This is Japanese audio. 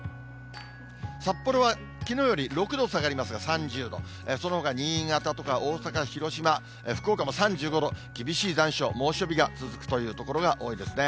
札幌はきのうより６度下がりますが、３０度、そのほか新潟とか大阪、広島、福岡も３５度、厳しい残暑、猛暑日が続くという所が多いんですね。